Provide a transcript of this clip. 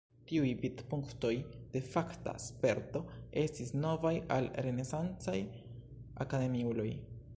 Tiuj vidpunktoj de fakta sperto estis novaj al renesancaj akademiuloj.